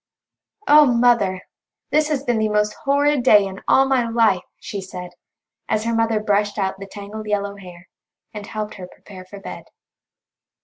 "Oh, Mother! This has been the most horrid day in all my life," she said, as her mother brushed out the tangled yellow hair, and helped her prepare for bed.